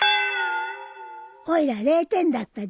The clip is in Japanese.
おいら０点だったじょ。